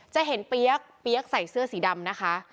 จะเห็นเปี๊ยกเปี๊ยกใส่เสื้อสีดำนะคะ